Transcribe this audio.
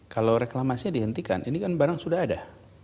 kalau reklamasinya dihentikan ini kan barang sudah ada